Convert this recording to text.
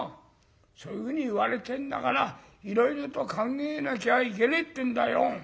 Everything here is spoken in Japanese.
そういうふうに言われてんだからいろいろと考えなきゃいけねえってんだよ。